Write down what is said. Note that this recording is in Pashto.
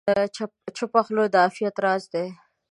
چپه خوله، د عافیت راز دی.